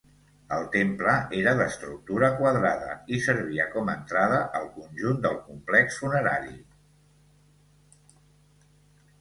El temple era d'estructura quadrada i servia com entrada al conjunt del complex funerari.